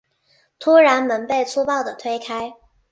突然门被粗暴的推开